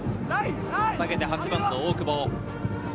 下げて８番の大久保。